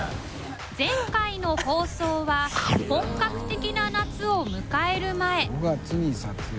前回の放送は本格的な夏を迎える前５月に撮影。